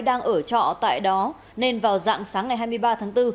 đang ở trọ tại đó nên vào dạng sáng ngày hai mươi ba tháng bốn